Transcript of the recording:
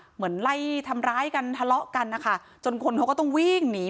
เหมือนไล่ทำร้ายกันทะเลาะกันนะคะจนคนเขาก็ต้องวิ่งหนี